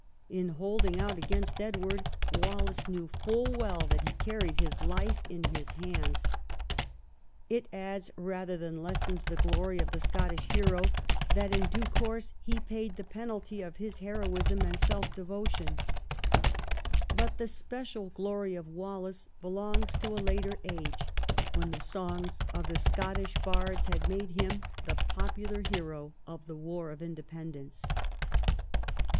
In hold ing out against Edward, Wallace knew full well that he carried his life in his hands. It adds rather than lessens the glory of the Scottish hero that in due course he paid the penalty of his heroism and self devotion. But the special glory of Wallace belongs to a later age, when the songs of the Scottish bards had made him the popular hero of the war of independence.